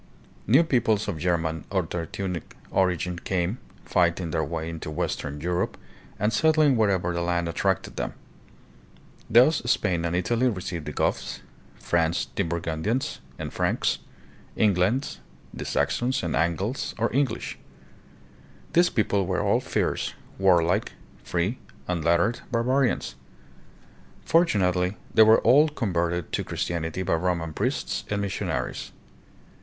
New peoples of German or Teutonic origin came, fighting their way into western Europe and settling wherever the land attracted them. Thus Spain and Italy received the Goths; France, the Burgundians and Franks; England, the Saxons and Angles or English. These peoples were all fierce, warlike, free, unlettered barbarians. Fortunately, they were all converted to Christianity by Roman priests and missionaries.